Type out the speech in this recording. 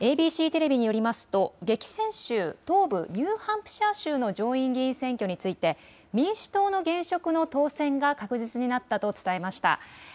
ＡＢＣテレビによりますと激戦州、東部ニューハンプシャー州の上院議員選挙について民主党の現職の当選が確実になったと伝えました。